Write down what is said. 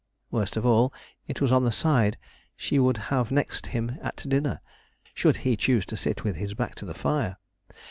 Worst of all, it was on the side she would have next him at dinner, should he choose to sit with his back to the fire.